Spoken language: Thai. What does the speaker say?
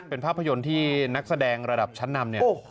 เป็นภาพยนตร์ที่นักแสดงระดับชั้นนำเนี่ย